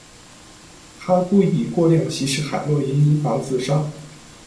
他故意过量吸食海洛因而自杀。